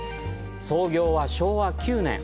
創業は昭和９年。